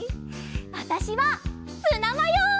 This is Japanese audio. わたしはツナマヨ！